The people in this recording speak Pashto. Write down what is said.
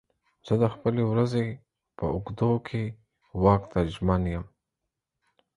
زه د خپلې ورځې په اوږدو کې واک ته ژمن یم.